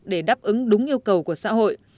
để đáp ứng đúng yêu cầu của xã hội